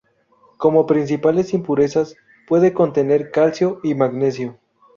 Como principales impurezas puede contener calcio y magnesio.